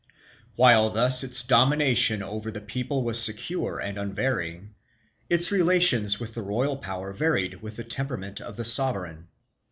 While thus its domination over the people was secure and unvarying, its relations with the royal power varied with the temperament of the sovereign.